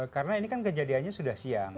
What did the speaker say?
karena ini kan kejadiannya sudah siang